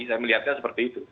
saya melihatnya seperti itu